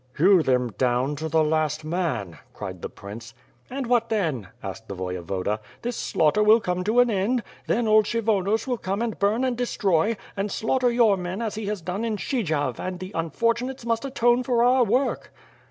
"Hew them down to the last man," cried the prince. "And what then?" asked the Voyevoda. "'Hiis slaughter will come to an end; then old Kshyvonos will come and bum and destroy, and slaughter your men as he has done in Stshy jav and the unfortunates must atone for our work."